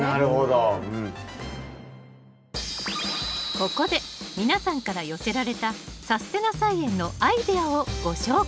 ここで皆さんから寄せられた「さすてな菜園」のアイデアをご紹介